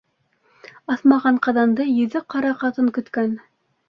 Аҫмаған ҡаҙанды йөҙө ҡара ҡатын көткән.